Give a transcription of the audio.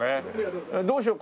どうしよう